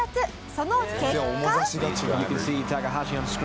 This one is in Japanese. その結果。